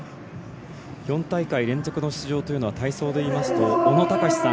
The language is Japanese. ４大会連続の出場というのは体操でいいますと小野喬さん